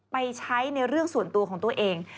ไปใช้ในเรื่องส่วนตัวของตัวเอง